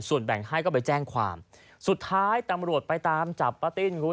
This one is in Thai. ส่วนแบ่งให้ก็ไปแจ้งความสุดท้ายตำรวจไปตามจับป้าติ้นคุณ